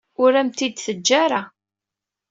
Ur am-t-id-teǧǧa ara.